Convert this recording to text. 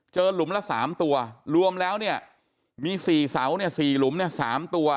หลุมละ๓ตัวรวมแล้วเนี่ยมี๔เสาเนี่ย๔หลุมเนี่ย๓ตัว